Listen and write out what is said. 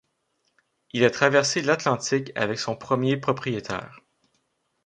Il a traversé l'Atlantique avec son premier propriétaire.